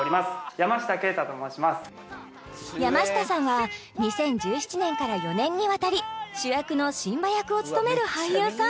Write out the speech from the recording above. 山下啓太と申します山下さんは２０１７年から４年にわたり主役のシンバ役を務める俳優さん